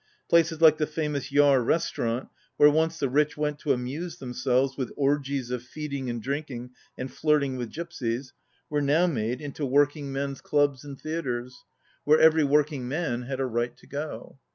Places like the famous Yar restaurant, where once the rich went to amuse themselves with orgies of feeding and drinking and flirting with gypsies, were now made into working men's 67 clubs and theatres, where every working man had a right to go.